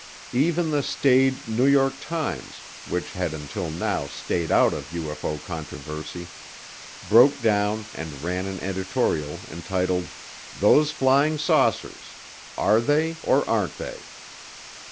Even the staid New York Times, which had until now stayed out of UFO controversy, broke down and ran an editorial entitled, "Those Flying Saucers Are They or Aren't They?"